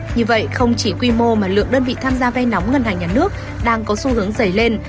như vậy không chỉ quy mô mà lượng đơn vị tham gia vay nóng ngân hàng nhà nước đang có xu hướng dày lên